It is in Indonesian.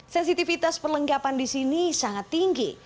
sensitivitas perlengkapan di sini sangat tinggi